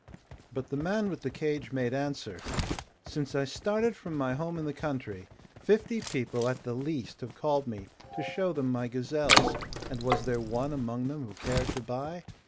But the man with the cage made answer: 'Since I started from my home in the country, fifty people at the least have called me to show them my gazelles, and was there one among them who cared to buy?